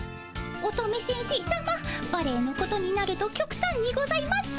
乙女先生さまバレエのことになるときょくたんにございます。